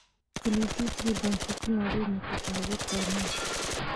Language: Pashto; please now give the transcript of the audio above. په لوېدیځ کې بنسټونه ډېر متفاوت نه و.